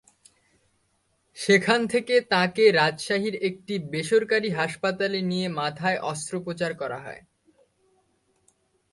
সেখান থেকে তাঁকে রাজশাহীর একটি বেসরকারি হাসপাতালে নিয়ে মাথায় অস্ত্রোপচার করা হয়।